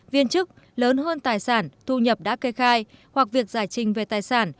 viên chức lớn hơn tài sản thu nhập đã kê khai hoặc việc giải trình về tài sản